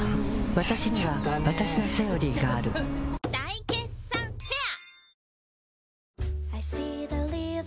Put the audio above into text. わたしにはわたしの「セオリー」がある大決算フェア